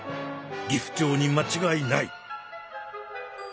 ギフチョウにまちがいない。